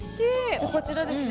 でこちらですね